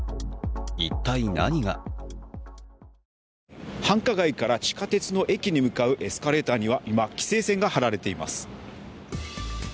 一体何が繁華街から地下鉄の駅に向かうエスカレーターには今、規制線が張られています。